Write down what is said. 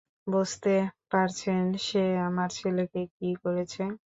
বুঝতে পারছেন সে আমার ছেলেকে কী করেছে?